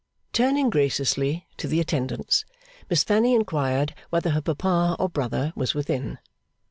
Turning graciously to the attendants, Miss Fanny inquired whether her papa or brother was within?